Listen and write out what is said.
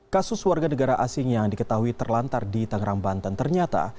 kasus warga negara asing yang diketahui terlantar di tangerang banten ternyata